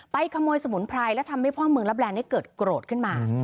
ขโมยสมุนไพรและทำให้พ่อเมืองรับแลนด์เกิดโกรธขึ้นมา